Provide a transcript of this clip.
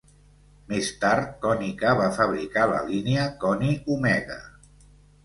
Més tard, Konica va fabricar la línia Koni Omega.